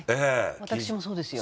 私もそうですよ。